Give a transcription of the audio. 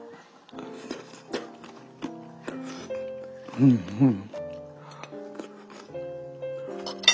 うんうん。